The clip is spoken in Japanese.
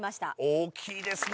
大きいですね